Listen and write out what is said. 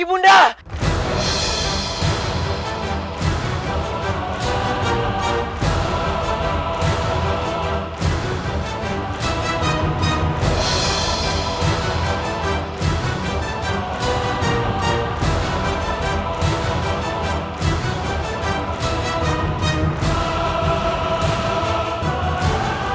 ibu undah tidak menyenggap bisa bertemu denganmu